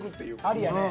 ありやね。